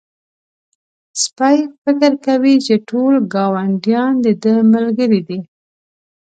سپی فکر کوي چې ټول ګاونډيان د ده ملګري دي.